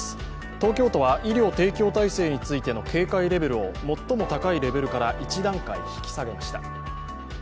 東京都は医療提供体制についての警戒レベルを最も高いレベルから１段階引き下げました。